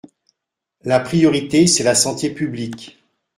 La priorité, c’est la santé publique.